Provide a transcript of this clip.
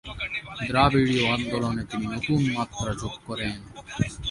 দ্রাবিড়ীয় আন্দোলনে তিনি নতুন মাত্রা যোগ করেন।